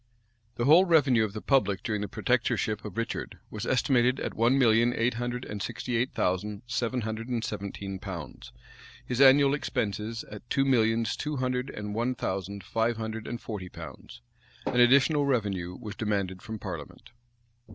The whole revenue of the public during the protectorship of Richard was estimated at one million eight hundred and sixty eight thousand seven hundred and seventeen pounds; his annual expenses at two millions two hundred and one thousand five hundred and forty pounds. An additional revenue was demanded from parliament.